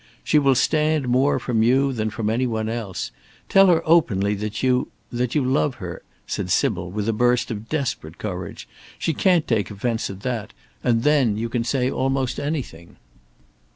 "She will stand more from you than from any one else. Tell her openly that you that you love her," said Sybil with a burst of desperate courage; "she can't take offence at that; and then you can say almost anything."